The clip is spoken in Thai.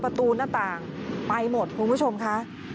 ประตูหน้าต่างไปหมดคุณผู้ชมค่ะ